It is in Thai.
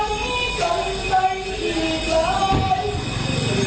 ปลอดหลายครั้งเลย